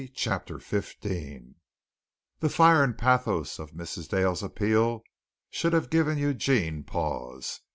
CHAPTER XV The fire and pathos of Mrs. Dale's appeal should have given Eugene pause.